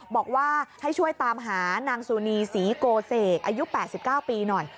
บอกว่าให้ช่วยตามหานางสุนีศรีโกเสกอายุ๘๙ปีหน่อย